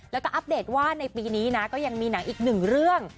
แล้วก็อัปเดตว่าในปีนี้นะก็ยังมีหนังอีกหนึ่งเรื่อง